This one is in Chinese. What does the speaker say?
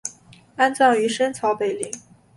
安葬于深草北陵。